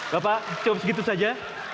bapak cukup segitu saja